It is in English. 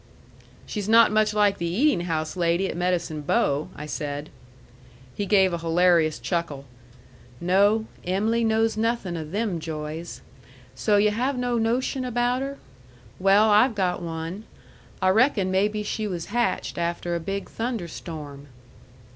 "She's not much like the eating house lady at Medicine Bow," I said. He gave a hilarious chuckle. "No, Em'ly knows nothing o' them joys. So yu' have no notion about her? Well, I've got one. I reckon maybe she was hatched after a big thunderstorm."